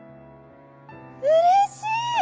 「うれしい！